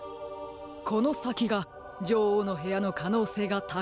このさきがじょおうのへやのかのうせいがたかいでしょう。